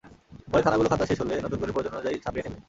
পরে থানাগুলো খাতা শেষ হলে নতুন করে প্রয়োজন অনুযায়ী ছাপিয়ে নেবে।